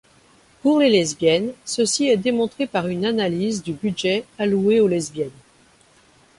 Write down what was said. Pour les lesbiennes, ceci est démontré par une analyse du budget alloué aux lesbiennes.